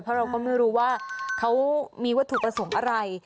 เพราะเราก็ไม่รู้ว่าเขามีวัตถุประสงค์อะไร